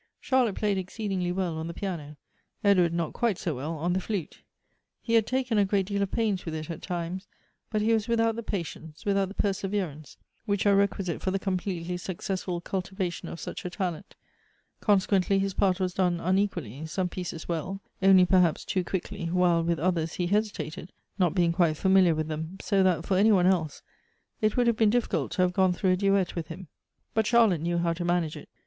Charlotte played exceedingly well on the piano, Edward not quite so well on the flute. He had taken a great deal of pains with it at times ; but he was without the patience, without the perseverance, which are requi site for the completely successful cultivation of such a talent; consequently, his part was dpne unequally, some pieces well, only perhaps too quickly — while with others he hesitated, not being quite familiar with them ; so that, for any one else, it would have been difficult to have gone through a duet with him. But Charlotte knew how to manage it.